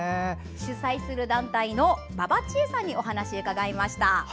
主宰する団体のばばちえさんにお話を伺いました。